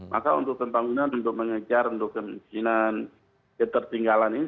maka untuk pembangunan untuk mengejar untuk kemungkinan ketertinggalan ini